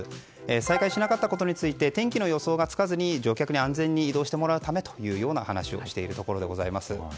再開しなかったことについて天気の予想がつかずに乗客に安全に移動してもらうためという話をしているところでございます。